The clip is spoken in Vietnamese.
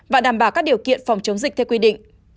và đảm bảo các điều kiện phòng chống dịch theo quy định